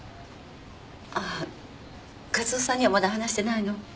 ああ和夫さんにはまだ話してないの？